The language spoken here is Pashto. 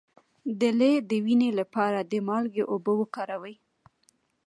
د لۍ د وینې لپاره د مالګې اوبه وکاروئ